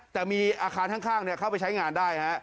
แต่มีอาคารข้างเข้าไปใช้งานได้